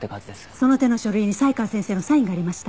その手の書類に才川先生のサインがありました。